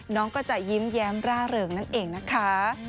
น้องก็จะยิ้มแย้มร่าเริงนั่นเองนะคะ